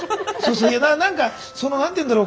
何かその何て言うんだろう